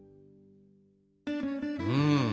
うん。